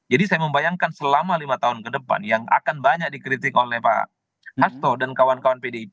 jadi saya membayangkan selama lima tahun ke depan yang akan banyak dikritik oleh pak hasto dan kawan kawan pdip